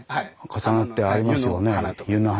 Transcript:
重なってありますよね。